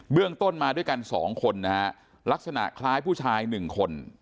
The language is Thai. เรื่องต้นมาด้วยกันสองคนนะฮะลักษณะคล้ายผู้ชาย๑คน